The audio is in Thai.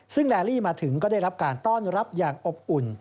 ซึ่งแลลี่มาถึงก็ได้รับการต้อนรับอย่างอบอุ่น